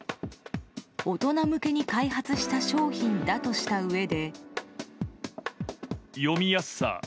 大人向けに開発した商品だとしたうえで。